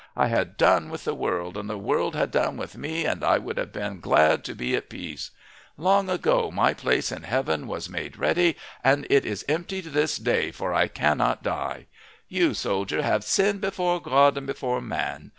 I had done with the world, and the world had done with me, and I would have been glad to be at peace. Long ago my place in heaven was made ready, and it is empty to this day for I cannot die. You, soldier, have sinned before God and before man.